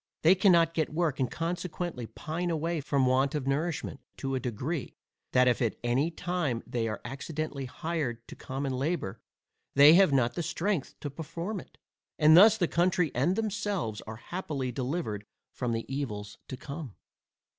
They cannot get work, and consequently pine away from want of nourishment, to a degree, that if at any time they are accidentally hired to common labour, they have not strength to perform it, and thus the country and themselves are happily delivered from the evils to come.